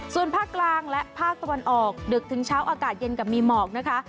ส่วนภาคกลางและภาคตะวันออกดึกถึงเช้าอากาศเย็นกับมีหมอกนะคะ